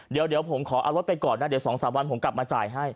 เดี๋ยวผมขอเอารถไปก่อนนะเดี๋ยว๒๓วันผมกลับมาจ่ายให้